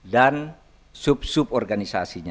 dan sub sub organisasinya